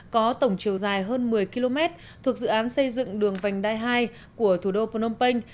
có tổng chiều dài hơn một mươi km thuộc dự án xây dựng đường vành đai hai của thủ đô phnom penh